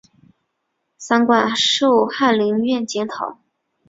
散馆授翰林院检讨。